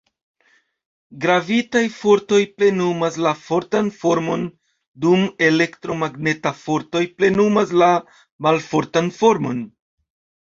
Gravitaj fortoj plenumas la fortan formon dum elektromagnetaj fortoj plenumas la malfortan formon.